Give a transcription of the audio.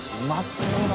そうだ